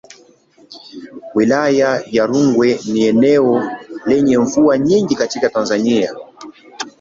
Wilaya ya Rungwe ni eneo lenye mvua nyingi katika Tanzania.